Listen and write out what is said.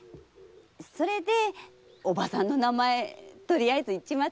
それでおばさんの名前とりあえず言っちまったんだろ。